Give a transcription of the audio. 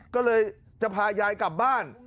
ก็เลยจะพายายกลับบ้าน